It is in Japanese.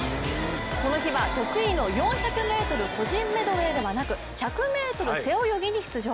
この日は得意の４００ｍ個人メドレーではなく、１００ｍ背泳ぎに出場。